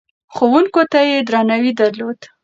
ښوونکو ته يې درناوی درلود.